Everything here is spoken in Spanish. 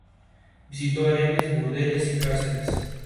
Visitó harenes, burdeles y cárceles.